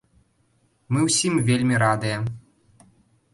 Мы ўсім вельмі радыя.